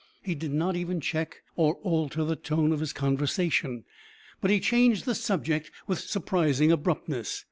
He did not even check or alter the tone of his conversation, but he changed the subject with surprising abruptness.